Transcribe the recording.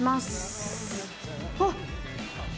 あっ！